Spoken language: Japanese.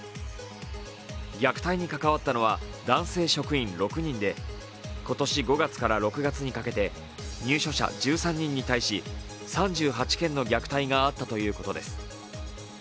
虐待に関わったのは男性職員６人で今年５月から６月にかけて入所者１３人に対し３８件の虐待があったということです。